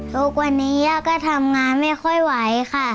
ทุกวันนี้ย่าก็ทำงานไม่ค่อยไหวค่ะ